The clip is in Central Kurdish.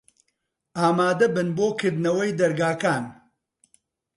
ئامادە بن بۆ کردنەوەی دەرگاکان.